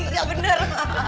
ih gak bener